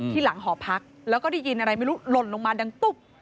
หลังหอพักแล้วก็ได้ยินอะไรไม่รู้หล่นลงมาดังตุ๊บ